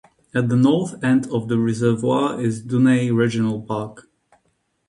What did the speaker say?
At the north end of the reservoir is Dunnet Regional Park.